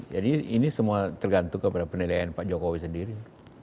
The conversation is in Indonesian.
jadi ini semua tergantung kepada penilaian pak jokowi sendiri